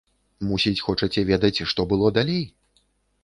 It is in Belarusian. Мусіць, хочаце ведаць, што было далей?